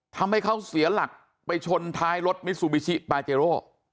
ทำให้เขาเสียหลักไปชนท้ายรถมิซูบิชิปาเจโร่